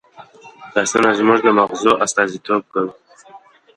لاسونه زموږ د مغزو استازیتوب کوي